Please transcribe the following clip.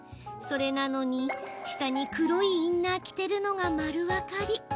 それなのに下に黒いインナー着てるのが丸分かり。